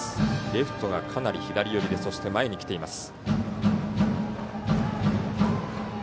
レフトがかなり左寄り前に来ています。